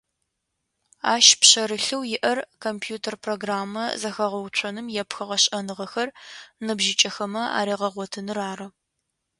Ащ пшъэрылъэу иӏэр компьютер программэ зэхэгъэуцоным епхыгъэ шӏэныгъэхэр ныбжьыкӏэхэмэ аригъэгъотыныр ары.